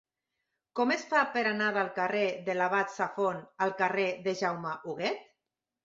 Com es fa per anar del carrer de l'Abat Safont al carrer de Jaume Huguet?